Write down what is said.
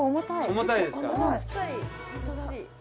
重たいですか？